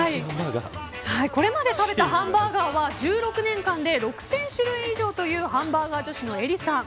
これまで食べたハンバーガーは１６年間で６０００種類以上というハンバーガー女子のエリさん。